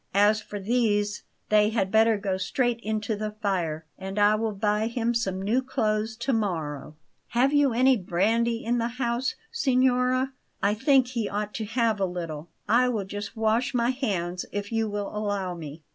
"As for these, they had better go straight into the fire, and I will buy him some new clothes to morrow. Have you any brandy in the house, signora? I think he ought to have a little. I will just wash my hands, if you will allow me."